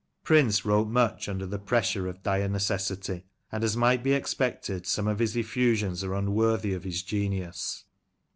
Prince wrote much unden the pressure of dire necessity, and, as might be expected, some of his effusions are unworthy of his genius.